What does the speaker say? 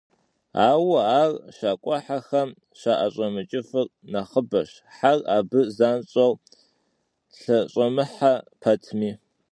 Ауэ ар щакIуэхьэхэм щаIэщIэмыкIыфыр нэхъыбэщ, хьэр абы занщIэу лъэщIэмыхьэ пэтми.